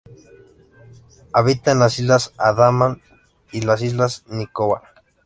Habita en las Islas Andamán y las Islas Nicobar.